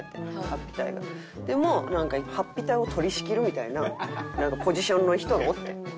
でもハッピ隊を取り仕切るみたいなポジションの人がおって。